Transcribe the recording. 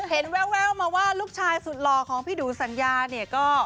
แววมาว่าลูกชายสุดหล่อของพี่ดูสัญญาเนี่ยก็